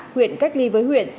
huyện cách ly với huyện